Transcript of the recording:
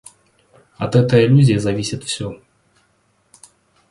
От этой иллюзии зависит все.